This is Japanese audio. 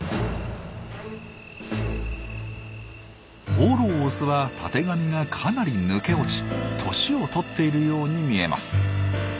放浪オスはたてがみがかなり抜け落ち年を取っているように見えます。